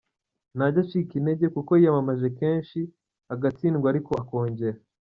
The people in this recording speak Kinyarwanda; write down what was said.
Ntajya acika intege, kuko yiyamamaje kenshi agatsindwa ariko akongera